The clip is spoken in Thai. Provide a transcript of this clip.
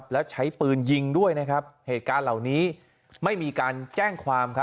และใช้ปืนยิงด้วยให้การเหล่านี้ไม่มีการแจ้งความ